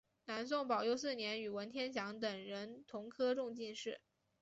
南宋宝佑四年与文天祥等人同科中进士。